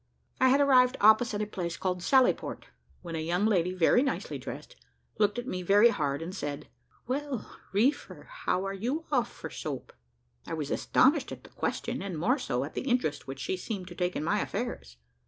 I had arrived opposite a place called Sally Port, when a young lady very nicely dressed, looked at me very hard and said, "Well, Reefer, how are you off for soap?" I was astonished at the question, and more so at the interest which she seemed to take in my affairs.